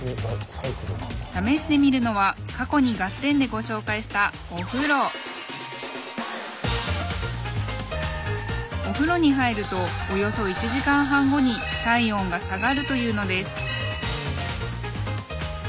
試してみるのは過去に「ガッテン！」でご紹介したお風呂に入るとおよそ１時間半後に体温が下がるというのです